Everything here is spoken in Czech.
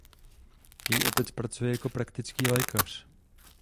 Její otec pracuje jako praktický lékař.